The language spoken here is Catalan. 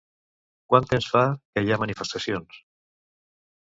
Quant temps fa que hi ha manifestacions?